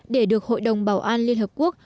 để được hội đồng bảo an liên hợp quốc